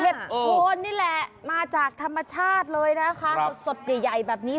โคนนี่แหละมาจากธรรมชาติเลยนะคะสดใหญ่แบบนี้